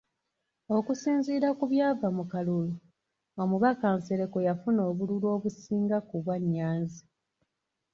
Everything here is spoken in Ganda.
Okusinziira ku byava mu kalulu, omubaka Nsereko yafuna obululu obusinga ku bwa Nyanzi.